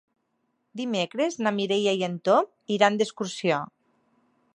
Dimecres na Mireia i en Tom iran d'excursió.